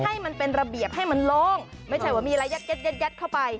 ให้มันเป็นระเบียบให้มันโล่งไม่ใช่ว่ามีอะไรยัดยัดเข้าไป